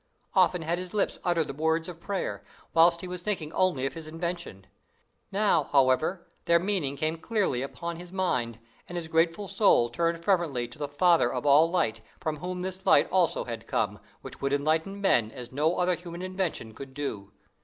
"Often had his lips uttered the words of prayer, whilst he was thinking only of his invention; now, however, their meaning came clearly upon his mind, and his grateful soul turned fervently to the Father of all light, from whom this light also had come, which would enlighten men as no other human invention could do.